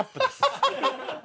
ハハハハ！